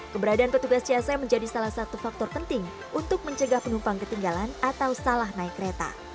keberadaan petugas csm menjadi salah satu faktor penting untuk mencegah penumpang ketinggalan atau salah naik kereta